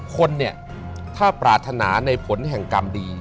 คนเนี่ยถ้าปรารถนาในผลแห่งกรรมดี